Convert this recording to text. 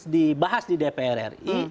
dibahas di dpr ri